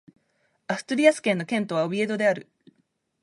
アストゥリアス県の県都はオビエドである